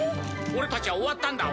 俺たちは終わったんだ！